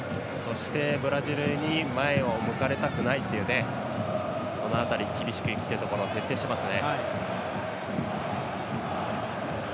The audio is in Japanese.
ブラジルに前を向かれたくないっていうその辺り厳しくいくっていうところを徹底していますね。